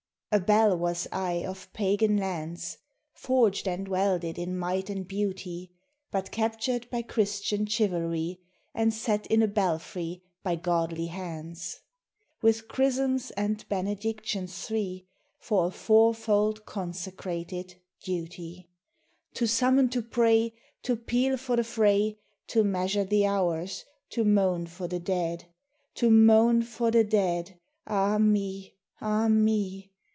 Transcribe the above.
A bell was I of Pagan lands Forged and welded in might and beauty, But captured by Christian chivalry, And set in a belfry by godly hands, With chrisms and benedictions three, For a fourfold consecrated duty: To summon to pray, to peal for the fray, To measure the hours, to moan for the dead; To moan for the dead, ah me! ah me!